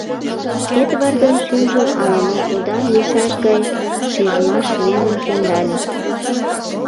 Эдвардын шӱмжым ала-мо уда лийшаш гай шижмаш нелын темдале.